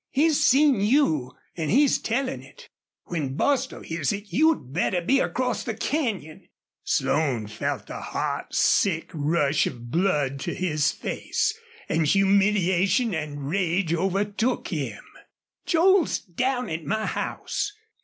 He's seen you an' he's tellin' it. When Bostil hears it you'd better be acrost the canyon!" Slone felt the hot, sick rush of blood to his face, and humiliation and rage overtook him. "Joel's down at my house.